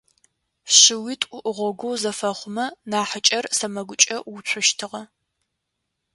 Шыуитӏу гъогогъу зэфэхъумэ, нахьыкӏэр сэмэгумкӏэ уцущтыгъэ.